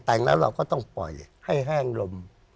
แต่งแล้วเราก็ต้องปล่อยให้แห้งลม